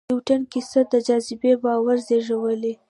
د نیوټن کیسه د جاذبې باور زېږولی.